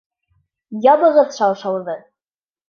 Ябығыҙ шаршауҙы!